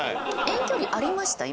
遠距離ありました？